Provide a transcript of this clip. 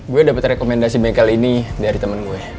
gue dapat rekomendasi bengkel ini dari temen gue